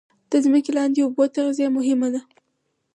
د ځمکې لاندې اوبو تغذیه مهمه ده